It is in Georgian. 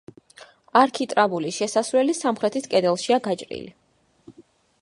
არქიტრავული შესასვლელი სამხრეთის კედელშია გაჭრილი.